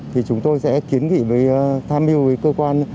thì chúng tôi sẽ kiến nghị với tham mưu với cơ quan